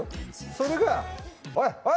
それが「おい！おい！」